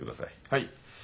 はい。